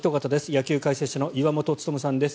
野球解説者の岩本勉さんです。